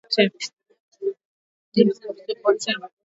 chemsha viazi kwa maji machache ili virutubisho visipotee